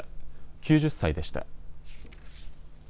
９０歳でした。